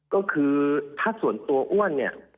ก็คือถ้าส่วนตัวอ้วนเนี่ย